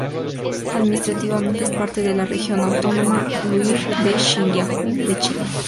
Administrativamente es parte de la Región Autónoma Uigur de Xinjiang de China.